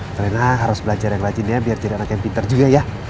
karena harus belajar yang rajin ya biar jadi anak yang pinter juga ya